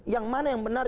yang mana yang benar